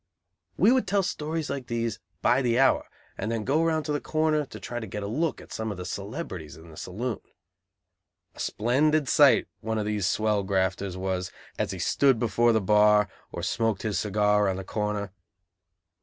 We would tell stories like these by the hour, and then go round to the corner, to try to get a look at some of the celebrities in the saloon. A splendid sight one of these swell grafters was, as he stood before the bar or smoked his cigar on the corner!